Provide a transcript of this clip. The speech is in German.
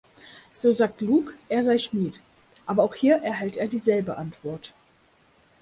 So sagt Lugh, er sei Schmied, aber auch hier erhält er dieselbe Antwort.